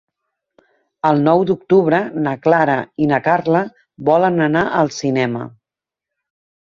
El nou d'octubre na Clara i na Carla volen anar al cinema.